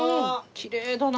きれいだな。